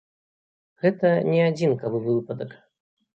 Гэта не адзінкавы выпадак.